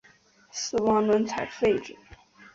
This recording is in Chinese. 死亡轮才废止。